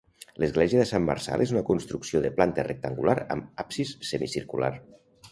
L'església de Sant Marçal és una construcció de planta rectangular amb absis semicircular.